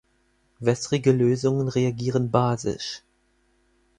Wässrige Lösungen reagieren basisch.